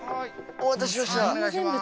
お待たせしました。